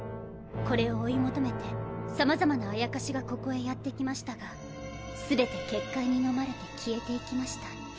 これを追い求めて様々な妖がここへやって来ましたが全て結界に飲まれて消えていきました。